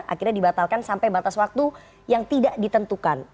akhirnya dibatalkan sampai batas waktu yang tidak ditentukan